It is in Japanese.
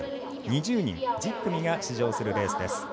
２０人１０組が出場するレース。